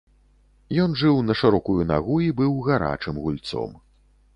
Ён жыў на шырокую нагу і быў гарачым гульцом.